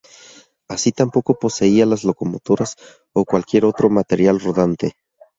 Así tampoco poseía locomotoras o cualquier otro material rodante.